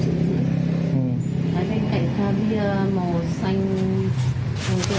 cái bên cạnh ta bia màu xanh